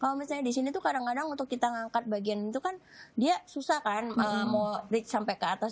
kalau misalnya di sini tuh kadang kadang untuk kita ngangkat bagian itu kan dia susah kan mau reach sampai ke atas